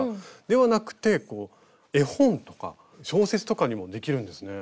ではなくて絵本とか小説とかにもできるんですね。